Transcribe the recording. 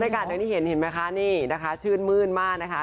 บรรยากาศนี้เห็นไหมคะชื่นมื้นมากนะคะ